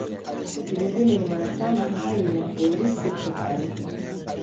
Vilevile ni mwanachama hai wa "Weusi" kutoka Arusha.